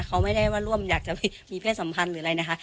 เขาไม่ได้ว่าร่วมอยากจะมีเพศสัมพันธ์หรืออะไรนะคะ